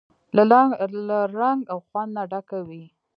له رنګ او خوند نه ډکه وي.